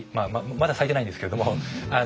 まだ咲いてないんですけれども。